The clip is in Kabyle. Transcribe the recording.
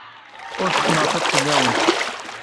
Ur tteqqneɣ tiṭ fell-awent.